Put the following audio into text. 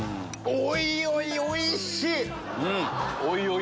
おいおいおいしい！